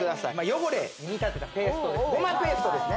汚れに見立てたペーストですね